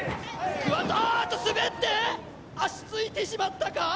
あーっと滑って足ついてしまったか？